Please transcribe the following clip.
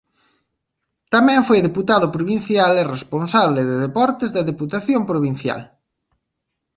Tamén foi deputado provincial e responsable de deportes da Deputación Provincial.